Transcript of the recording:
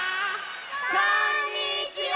こんにちは！